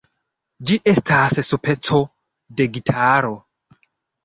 Ĝi estas speco de gitaro.